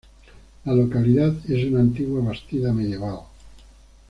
La localidad es una antigua bastida medieval.